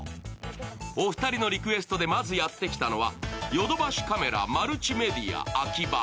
お二人のリクエストでまずやってきたのは、ヨドバシカメラマルチメディアＡｋｉｂａ。